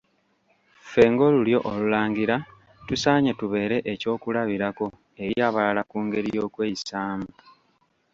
Ffe ng'Olulyo Olulangira tusaanye tubeere eky'okulabirako eri abalala ku ngeri y'okweyisaamu.